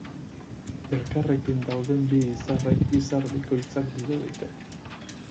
Elkarrekin dauden bi izarrek izar bikoitzak dirudite.